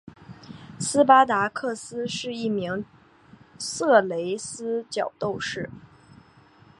斯巴达克斯是一名色雷斯角斗士。